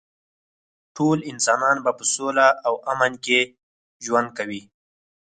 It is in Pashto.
ټول انسانان به په سوله او امن کې ژوند کوي